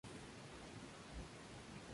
Su altura es de unos catorce metros.